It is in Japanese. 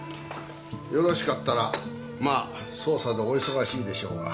よろしかったらまあ捜査でお忙しいでしょうが。